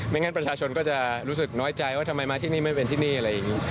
งั้นประชาชนก็จะรู้สึกน้อยใจว่าทำไมมาที่นี่ไม่เป็นที่นี่อะไรอย่างนี้